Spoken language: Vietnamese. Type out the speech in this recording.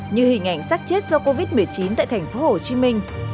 như hình ảnh sắc chết do covid một mươi chín tại thành phố hồ chí minh